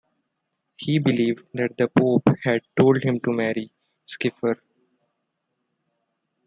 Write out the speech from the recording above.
He believed that the Pope had told him to marry Schiffer.